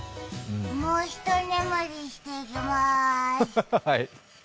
もうひと眠りしてきます。